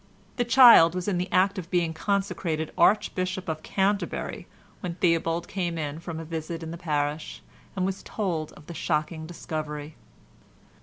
The child was in the act of being consecrated Archbishop of Canterbury when Theobald came in from a visit in the parish, and was told of the shocking discovery.